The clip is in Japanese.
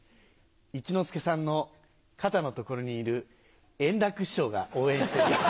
一之輔さんの肩の所にいる円楽師匠が応援してるよ。